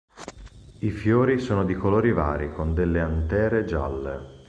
I fiori sono di colori vari con delle antere gialle.